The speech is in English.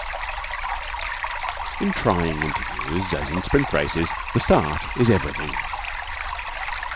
12 In trying interviews, as in sprint races, the start is everything.